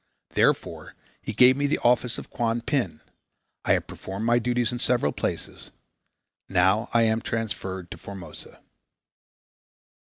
Therefore he gave me the office of Kuan Pin. I have performed my duties in several places. Now I am transferred to Formosa."